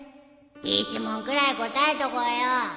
１問くらい答えとこうよ